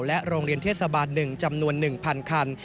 โรงเรียนเทศบาล๑จำนวน๑๐๐คัน